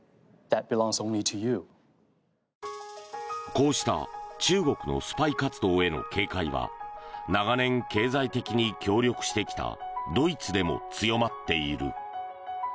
こうした中国のスパイ活動への警戒は長年、経済的に協力してきたドイツでも強まっている。